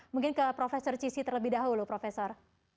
mungkin ke profesor cissi terlebih dahulu profesor